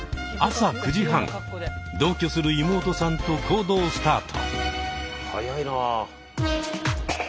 同居する妹さんと行動スタート。